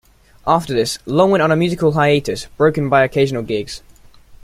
After this, Long went on a musical hiatus, broken by occasional gigs.